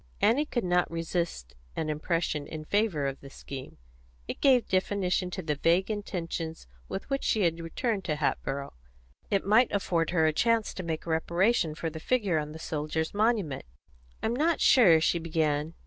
Annie could not resist an impression in favour of the scheme. It gave definition to the vague intentions with which she had returned to Hatboro'; it might afford her a chance to make reparation for the figure on the soldiers' monument. "I'm not sure," she began.